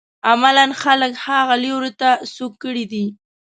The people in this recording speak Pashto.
عملاً خلک هغه لوري ته سوق کړي دي.